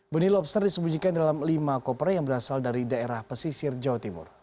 benih lobster disembunyikan dalam lima koper yang berasal dari daerah pesisir jawa timur